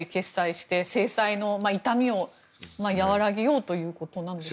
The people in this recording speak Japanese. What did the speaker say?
柳澤さん、そのようなドル以外で決済して制裁の痛みを和らげようということなんでしょうか。